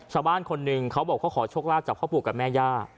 ชาวบ้านคนหนึ่งเขาบอกเขาขอโชคลาภจากพ่อปู่กับแม่ย่า